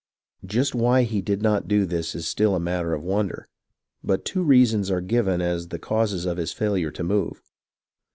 Just why he did not do this is still a matter of wonder ; but two reasons are given as the causes of his failure to move.